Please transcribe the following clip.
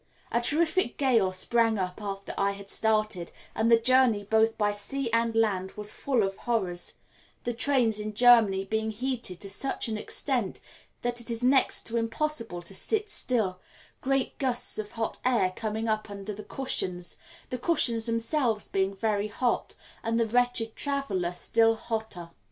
A terrific gale sprang up after I had started, and the journey both by sea and land was full of horrors, the trains in Germany being heated to such an extent that it is next to impossible to sit still, great gusts of hot air coming up under the cushions, the cushions themselves being very hot, and the wretched traveller still hotter.